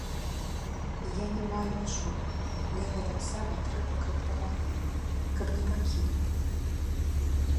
Я не маю нічога, мне гэтаксама трэба, каб памаглі, каб не пакінулі.